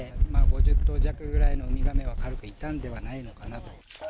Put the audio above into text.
５０頭弱ぐらいのウミガメは軽くいたんではないのかなと。